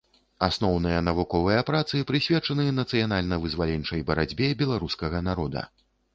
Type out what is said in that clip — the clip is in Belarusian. Асноўныя навуковыя працы прысвечаны нацыянальна-вызваленчай барацьбе беларускага народа.